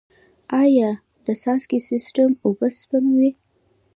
آیا د څاڅکي سیستم اوبه سپموي؟